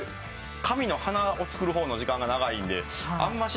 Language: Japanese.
紙の花を作る方の時間が長いんであんまし。